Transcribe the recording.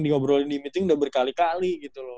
diobrolin di meeting udah berkali kali gitu loh